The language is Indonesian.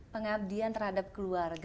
pengabdian terhadap keluarga